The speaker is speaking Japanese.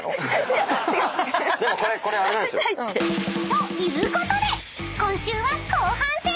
［ということで今週は後半戦！］